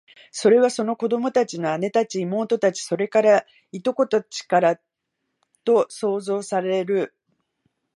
それは、その子供の姉たち、妹たち、それから、従姉妹たちかと想像される